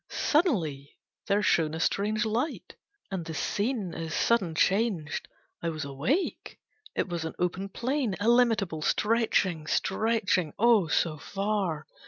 Suddenly there shone A strange light, and the scene as sudden changed. I was awake: It was an open plain Illimitable, stretching, stretching oh, so far!